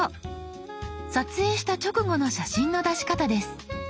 撮影した直後の写真の出し方です。